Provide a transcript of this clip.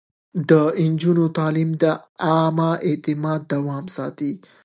د نجونو تعليم د عامه اعتماد دوام ساتي.